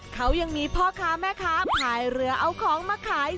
เขายังมีพ่อค้าแม่ค้าพายเรือเอาของมาขาย